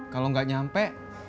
kalau nggak nyampe